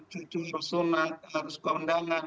cucu harus sunat harus keundangan